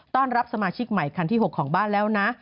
ต้อนรับสมาชิกใหม่คันที่๖ของบ้านแล้วนะ